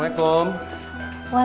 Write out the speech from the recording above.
karena belum kesana sama sekali